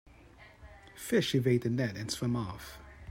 Fish evade the net and swim off.